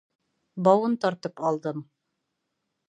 Бауын тартып алдым.